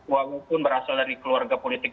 walaupun berasal dari keluarga politik